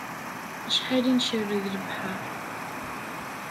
Acḥal i ncerreg lebḥer